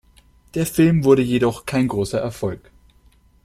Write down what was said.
Der Film wurde jedoch kein großer Erfolg.